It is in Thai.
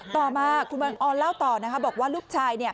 ต่อมาคุณบังออนเล่าต่อบอกว่าลูกชาย